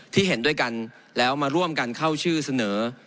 เห็นด้วยกันแล้วมาร่วมกันเข้าชื่อเสนอ